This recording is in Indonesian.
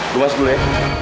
gue mas dulu ya